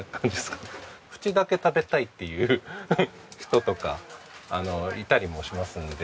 縁だけ食べたいっていう人とかいたりもしますので。